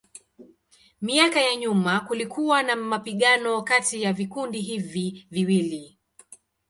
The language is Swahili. Miaka ya nyuma kulikuwa na mapigano kati ya vikundi hivi viwili.